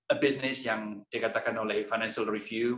a business yang dikatakan oleh financial review